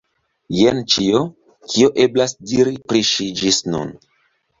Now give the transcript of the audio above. Jen ĉio, kion eblas diri pri ŝi ĝis nun.